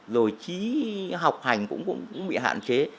rồi chí học hành cũng bị hạn chế